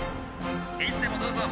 「いつでもどうぞ」。